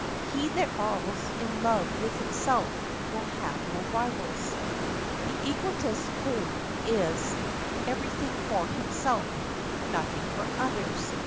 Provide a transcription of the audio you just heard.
He that falls in love with himself will have no rivals. The egotist's code is, Every thing for himself, nothing for others.